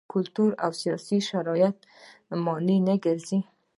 کلتوري او سیاسي شرایط مانع نه ګرځي.